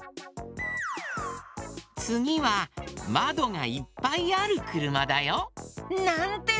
つぎはまどがいっぱいあるくるまだよ。なんて